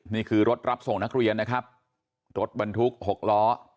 นี่คือรถรับส่งนักเรียนนะครับรถบรรทุก๖ล้อ